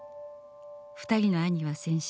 ２人の兄は戦死。